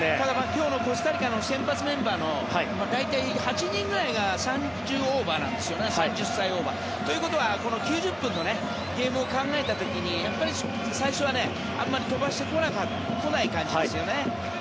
今日のコスタリカの先発メンバーの大体８人ぐらいが３０歳オーバーなんですよね。ということは９０分のゲームを考えた時にやっぱり最初はあまり飛ばしてこない感じですよね。